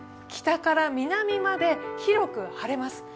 北から南まで広く晴れます。